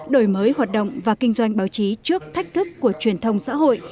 đổi mới hoạt động và kinh doanh báo chí trước thách thức của truyền thông xã hội